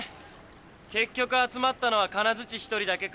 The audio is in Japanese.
結局集まったのは金づち一人だけか。